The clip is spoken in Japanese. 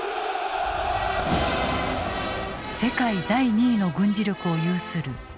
世界第２位の軍事力を有するロシア軍。